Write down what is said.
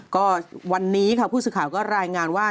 พูดสิทธิ์ข่าวก็รายงานว่า